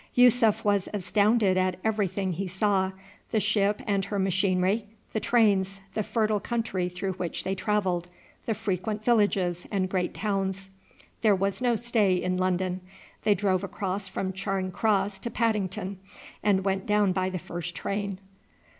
Yussuf was astounded at everything he saw: the ship and her machinery, the trains, the fertile country through which they travelled, the frequent villages, and great towns. There was no stay in London. They drove across from Charing Cross to Paddington, and went down by the first train.